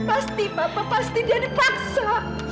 pasti papa pasti dia dipaksa